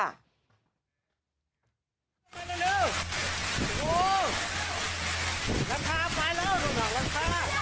รังภาพไปแล้วรังภาพ